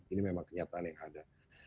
ini memang kenyataan yang ada